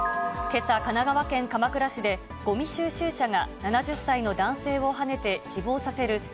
けさ、神奈川県鎌倉市で、ごみ収集車が７０歳の男性をはねて死亡させる